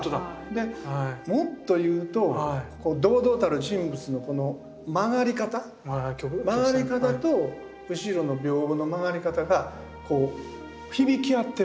でもっと言うと堂々たる人物のこの曲がり方曲がり方と後ろの屏風の曲がり方がこう響き合ってるんですよ。